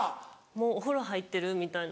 「もうお風呂入ってる」みたいな。